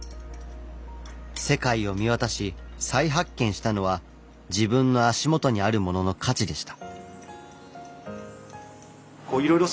世界を見渡し再発見したのは自分の足元にあるものの価値でした。